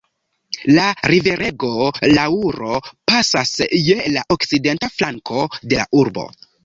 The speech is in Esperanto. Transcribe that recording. La riverego Luaro pasas je la okcidenta flanko de la urbo.